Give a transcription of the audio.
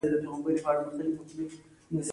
که په خپل ذهن کې د وېرې او ناکامۍ زړي وکرئ.